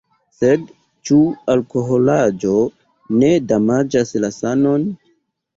Sed ĉu alkoholaĵoj ne damaĝas la sanon?